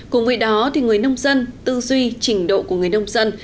cùng với đó người nông dân tư duy trình độ của người nông dân